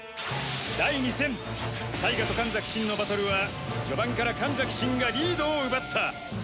第２戦タイガと神崎シンのバトルは序盤から神崎シンがリードを奪った。